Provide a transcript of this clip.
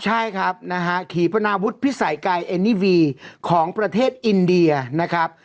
ใช่ครับนะฮะขีปนาวุฒิพิสัยไกรเอนี่วีของประเทศอินเดียนะครับ